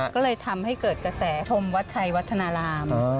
ก็เลยทำให้เกิดกระแสชมวัดชัยวัฒนาราม